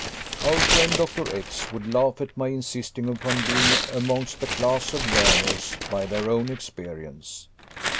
"Our friend, Dr. X , would laugh at my insisting upon being amongst the class of learners by their own experience.